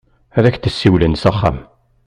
Ad ak-d-siwlen s axxam.